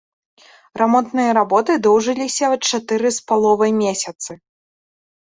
Рамонтныя работы доўжыліся чатыры з паловай месяцы.